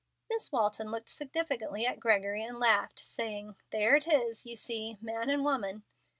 Miss Walton looked significantly at Gregory, and laughed, saying, "There it is, you see, man and woman."